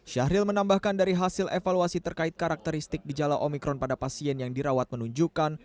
syahril menambahkan dari hasil evaluasi terkait karakteristik gejala omikron pada pasien yang dirawat menunjukkan